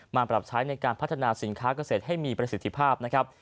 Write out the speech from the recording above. มาปรับใช้ในการพัฒนาสินค้าเกษตรให้มีประสิทธิภาพนะครับ